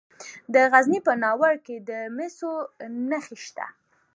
د غزني په ناور کې د مسو نښې شته.